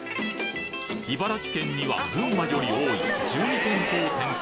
茨城県には群馬より多い１２店舗を展開